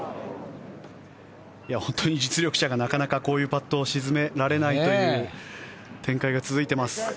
本当に実力者がこういうパットを沈められないという展開が続いています。